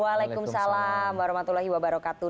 waalaikumsalam warahmatullahi wabarakatuh